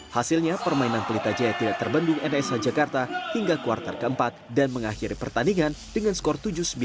hasilnya permainan pelita jaya tidak terbendung nsh jakarta hingga kuartal ke empat dan mengakhiri pertandingan dengan skor tujuh puluh sembilan empat puluh delapan